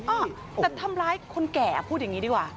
อ่ะแต่ทำร้ายคนแก่พูดอย่างนี้ดีกว่า